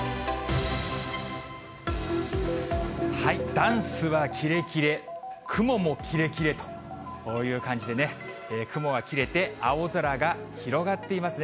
ダンスはキレキレ、雲もキレキレという感じでね、雲が切れて青空が広がっていますね。